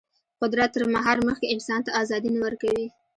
قدرت تر مهار مخکې انسان ته ازادي نه ورکوي.